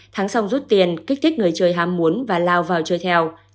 thắng xong rút tiền kích thích người chơi ham muốn và lao vào chơi theo